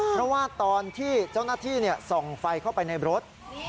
เพราะว่าตอนที่เจ้าหน้าที่ส่องไฟเข้าไปในรถ